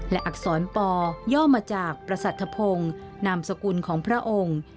และอักษรปย่อมาจากประสัทธพงศ์นามสกุลของพระองค์